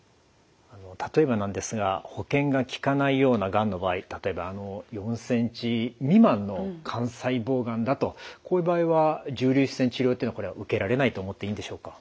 例えばなんですが保険がきかないようながんの場合例えば４ｃｍ未満の肝細胞がんだとこういう場合は重粒子線治療というのは受けられないと思っていいんでしょうか？